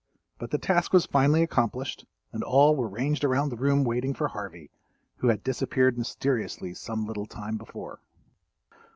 But the task was finally accomplished and all were ranged around the room waiting for Harvey, who had disappeared mysteriously some little time before.